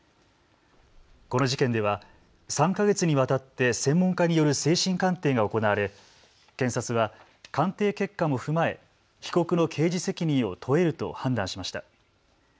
この事件では３か月にわたって専門家による精神鑑定が行われ検察は鑑定結果も踏まえ被告の刑事責任を問えると判断しました。